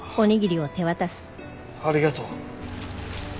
ありがとう。